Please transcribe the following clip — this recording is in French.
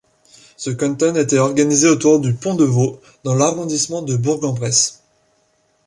Ce canton était organisé autour de Pont-de-Vaux dans l'arrondissement de Bourg-en-Bresse.